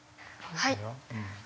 はい。